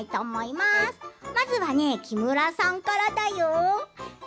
まずは木村さんからだよ。